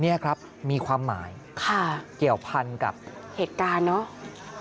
นี่ครับมีความหมายค่ะเกี่ยวพันกับเหตุการณ์เนอะ